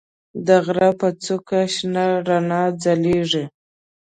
د غره په څوکه کې شنه رڼا ځلېږي.